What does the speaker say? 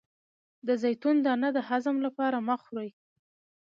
د زیتون دانه د هضم لپاره مه خورئ